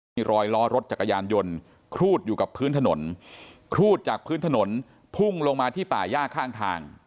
มีรอยล้อรถจักรยานยนต์ครูดอยู่กับพื้นถนนครูดจากพื้นถนนพุ่งลงมาที่ป่าย่าข้างทาง